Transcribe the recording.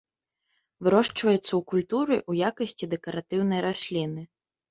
Вырошчваецца ў культуры ў якасці дэкаратыўнай расліны.